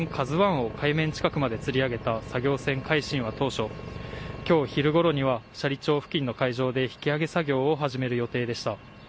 ＫＡＺＵＩを海面近くまでつり上げた作業船、海進は当初、きょう昼ごろには斜里町付近の海上で引き揚げ作業を始める予定でした。